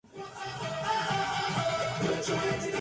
音を立てながら燃え続けていた